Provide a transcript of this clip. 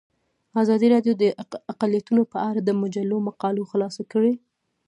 ازادي راډیو د اقلیتونه په اړه د مجلو مقالو خلاصه کړې.